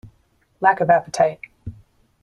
Lack of appetite!